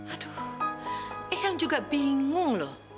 aduh ehang juga bingung lho